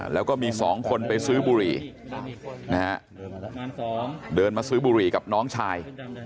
แล้วก็มีสองคนไปซื้อบุหรี่นะฮะเดินมาซื้อบุหรี่กับน้องชาย